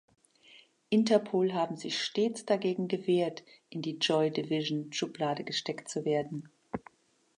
Interpol haben sich stets dagegen verwehrt, in die Joy Division-Schublade gesteckt zu werden.